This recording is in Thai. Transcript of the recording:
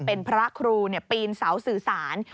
เป็นพระครูปีนเสาสื่อสาร